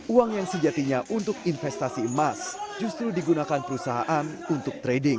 uang yang sejatinya untuk investasi emas justru digunakan perusahaan untuk trading